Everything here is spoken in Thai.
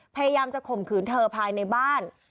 พยายามจะข่มขืนเธอภายในบ้าน